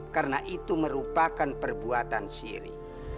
karena itu merupakan perbuatan siri